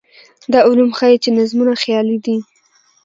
دا علوم ښيي چې نظمونه خیالي دي.